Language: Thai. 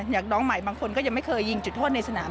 อย่างน้องใหม่บางคนก็ยังไม่เคยยิงจุดโทษในสนาม